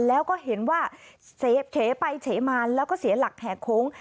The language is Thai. แล้วก็เห็นว่าเสพเฉไปเฉมาแล้วก็เสียหลักแห่โค้ง